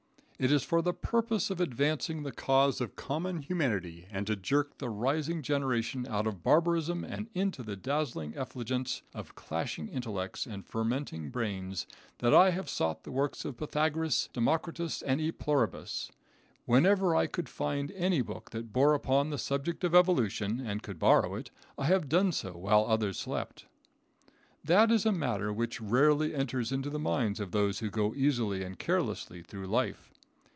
It is for the purpose of advancing the cause of common humanity and to jerk the rising generation out of barbarism into the dazzling effulgence of clashing intellects and fermenting brains that I have sought the works of Pythagoras, Democritus and Epluribus. Whenever I could find any book that bore upon the subject of evolution, and could borrow it, I have done so while others slept. That is a matter which rarely enters into the minds of those who go easily and carelessly through life.